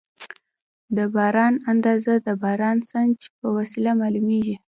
د باران اندازه د بارانسنج په وسیله معلومېږي.